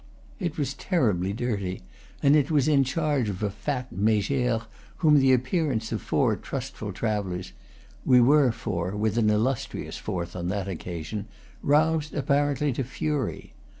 It was terribly dirty, and it was in charge of a fat megere whom the appearance of four trustful travellers we were four, with an illustrious fourth, on that occasion roused apparently to fury.